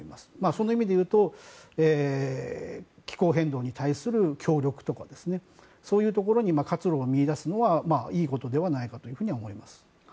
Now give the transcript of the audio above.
その意味でいうと気候変動に対する協力とかそういうところに活路を見いだすのはいいことではないかと思います。